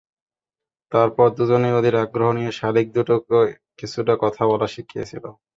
তারপর দুজনেই অধীর আগ্রহ নিয়ে শালিক দুটোকে কিছুটা কথা বলা শিখিয়েছিল।